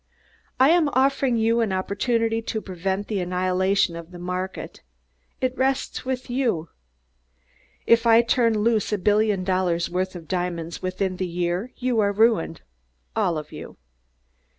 I am offering you an opportunity to prevent the annihilation of the market. It rests with you. If I turn loose a billion dollars' worth of diamonds within the year you are ruined all of you.